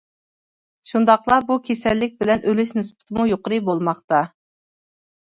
شۇنداقلا بۇ كېسەللىك بىلەن ئۆلۈش نىسبىتىمۇ يۇقىرى بولماقتا.